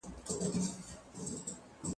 شریني سر راپور ته کړه فرهاد راغلی دی